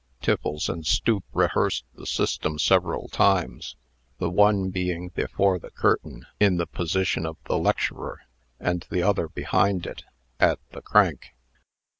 Tiffles and Stoop rehearsed the system several times, the one being before the curtain, in the position of the lecturer, and the other behind it, at the crank.